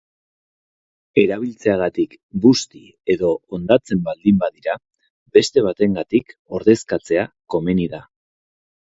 Erabiltzeagatik busti edo hondatzen baldin badira, beste batengatik ordezkatzea komeni da.